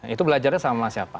itu belajarnya sama siapa